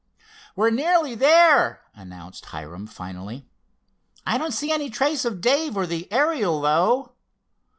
"We're nearly there," announced Hiram finally. "I don't see any trace of Dave or the Ariel, though."